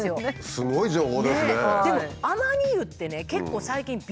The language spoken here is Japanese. すごい情報ですね。